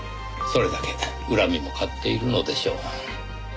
それだけ恨みも買っているのでしょう。